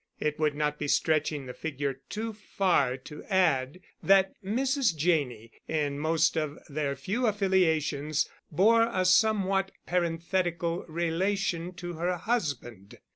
It would not be stretching the figure too far to add that Mrs. Janney, in most of their few affiliations, bore a somewhat parenthetical relation to her husband.